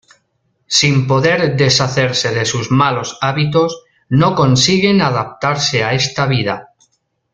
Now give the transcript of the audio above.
Sin poder deshacerse de sus malos hábitos, no consiguen adaptarse a esta vida.